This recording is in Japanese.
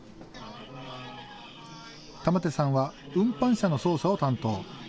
玉手さんは運搬車の操作を担当。